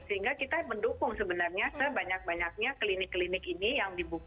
sehingga kita mendukung sebenarnya sebanyak banyaknya klinik klinik ini yang dibuka